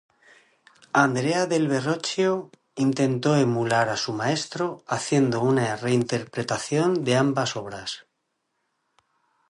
Andrea del Verrocchio intentó emular a su maestro haciendo una reinterpretación de ambas obras.